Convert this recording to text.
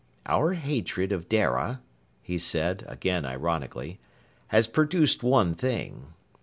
"Our hatred of Dara," he said, again ironically, "has produced one thing.